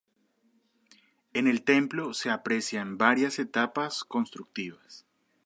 En el templo se aprecian varias etapas constructivas.